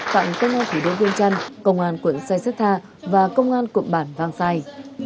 tặng công an thủ đô vương trăn công an quận sai sết tha và công an cộng bản vang sai